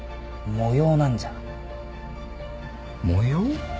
模様？